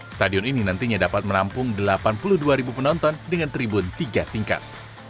stadion ini nantinya dapat menampung delapan puluh dua ribu penonton dengan tribun tiga tingkat